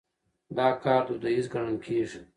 دا کار دوديز ګڼل کېږي.